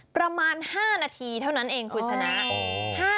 ประมาณ๕นาทีเท่านั้นเองคุณชนะ